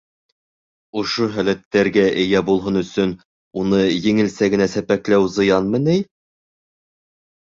Ошо һәләттәргә эйә булһын өсөн уны еңелсә генә сәпәкләү зыянмы ни?